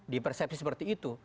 di persepsi seperti itu